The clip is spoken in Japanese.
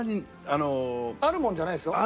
あるものじゃないですよ。